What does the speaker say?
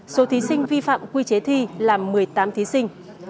số thí sinh vi phạm quy chế thi là một mươi tám thí sinh